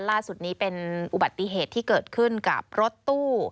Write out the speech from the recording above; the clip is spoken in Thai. ล่าสุดนี้เป็นอุบัติเหตุที่เกิดขึ้นกับรถตู้